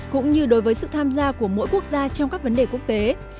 cũng như đối với sự tham gia của mỗi quốc gia trong các vấn đề quốc tế